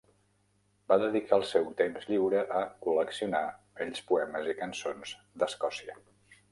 Va dedicar el seu temps lliure a col·leccionar vells poemes i cançons d"Escòcia.